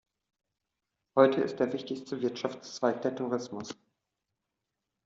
Heute ist der wichtigste Wirtschaftszweig der Tourismus.